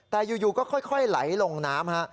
แต่อยู่ก็ค่อยไหลลงน้ำ